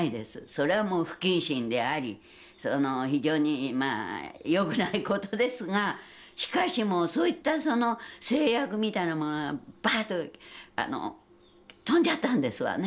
それはもう不謹慎でありその非常によくないことですがしかしもうそういったその制約みたいなものがバッととんじゃったんですわね。